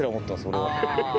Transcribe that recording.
俺は。